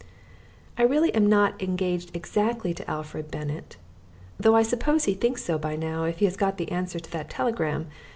"I really am not engaged exactly to Alfred Bennett, though I suppose he thinks so by now if he has got the answer to that telegram.